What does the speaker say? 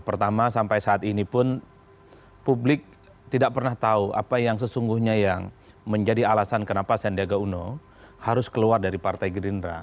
pertama sampai saat ini pun publik tidak pernah tahu apa yang sesungguhnya yang menjadi alasan kenapa sandiaga uno harus keluar dari partai gerindra